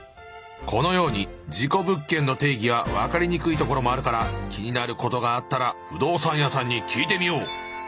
このように事故物件の定義は分かりにくいところもあるから気になることがあったら不動産屋さんに聞いてみよう。